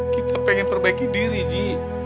kita pengen perbaiki diri di